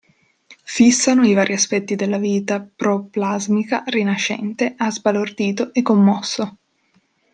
Fissano i vari aspetti della vita proplasmica rinascente ha sbalordito e commosso.